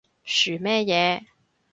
噓乜嘢？